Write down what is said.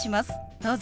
どうぞ。